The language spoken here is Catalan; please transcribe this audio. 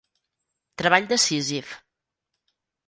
Treball de Sísif.